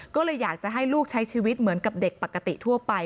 ก็เลยอยากจะให้ลูกใช้ชีวิตเหมือนกับเด็กปกติทั่วไป